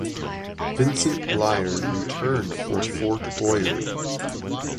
Vincent Blier returned for Fort Boyard.